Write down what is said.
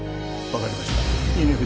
わかりました。